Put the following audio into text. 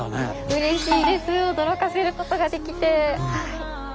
うれしいです驚かせることができて。